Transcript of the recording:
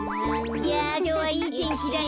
いやきょうはいいてんきだね。